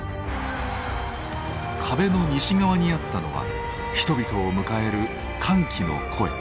壁の西側にあったのは人々を迎える歓喜の声。